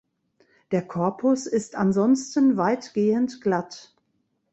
Der Korpus ist ansonsten weitgehend glatt.